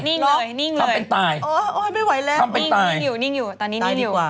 นิ่งเลยนิ่งเลยทำเป็นตายทำเป็นตายนิ่งอยู่ตอนนี้นิ่งอยู่